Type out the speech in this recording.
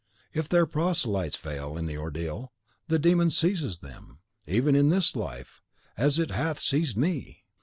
If their proselytes fail in the ordeal, the demon seizes them, even in this life, as it hath seized me!